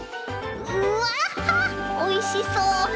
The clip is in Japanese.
うわおいしそう！